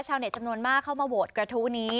ชาวเน็ตจำนวนมากเข้ามาโหวตกระทู้นี้